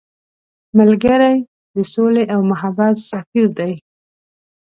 ملګری د سولې او محبت سفیر دی